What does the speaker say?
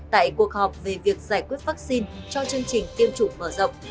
tại cuộc họp về việc giải quyết vaccine cho chương trình tiêm chủng mở rộng